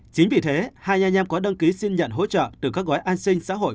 chính vì thế hai anh em có đăng ký xin nhận hỗ trợ từ các gói an sinh xã hội